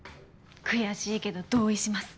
悔しいけど同意します。